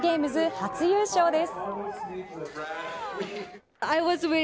初優勝です。